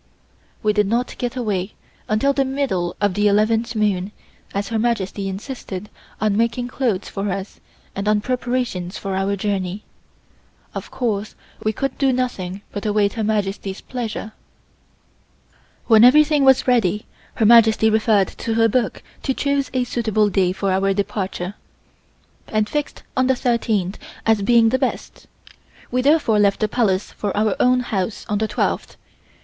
We did not get away until the middle of the eleventh moon, as Her Majesty insisted on making clothes for us and other preparations for our journey. Of course we could do nothing but await Her Majesty's pleasure. When everything was ready Her Majesty referred to her book to choose a suitable day for our departure, and fixed on the thirteenth as being the best. We therefore left the Palace for our own house on the twelfth.